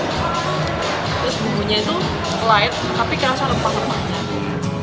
terus bumbunya itu light tapi kerasa lempah lempahnya